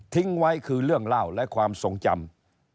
ทิ้งไว้คือเรื่องเล่าและความทรงจำ